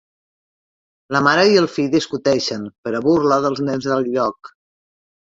La mare i el fill discuteixen, per a burla dels nens del lloc.